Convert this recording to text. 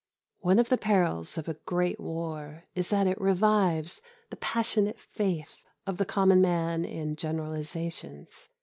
One of the perils of a great war is that it revives the passionate faith of the common man in generalisations.